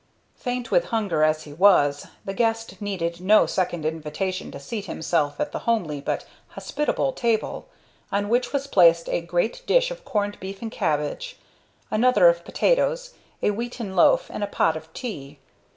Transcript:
Faint with hunger as he was, the guest needed no second invitation to seat himself at the homely but hospitable table, on which was placed a great dish of corned beef and cabbage, another of potatoes, a wheaten loaf, and a pot of tea.